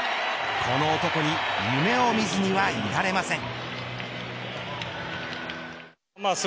この男に夢を見ずにはいられません。